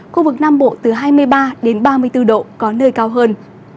khu vực nam bộ từ hai mươi ba đến ba mươi bốn độ có nơi cao hơn